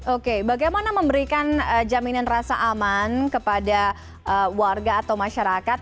oke bagaimana memberikan jaminan rasa aman kepada warga atau masyarakat